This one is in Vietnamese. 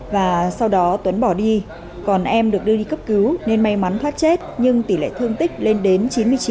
và sau đó tuấn bỏ đi còn em được đưa đi cấp cứu nên may mắn thoát chết nhưng tỷ lệ thương tích lên đến chín mươi chín